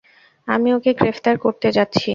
আমি ওকে গ্রেফতার করতে যাচ্ছি।